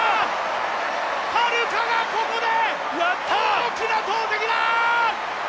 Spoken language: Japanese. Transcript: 榛花がここで大きな投てきだ！